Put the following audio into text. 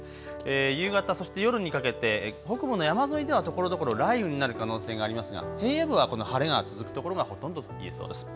夕方そして夜にかけて北部の山沿いではところどころ雷雨になる可能性がありますが平野部は晴れが続く所がほとんどといえそうです。